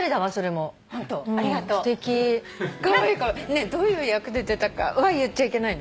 ねえどういう役で出たかは言っちゃいけないの？